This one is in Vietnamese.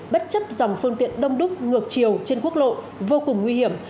bất chấp dòng phương tiện đông đúc ngược chiều trên quốc lộ vô cùng nguy hiểm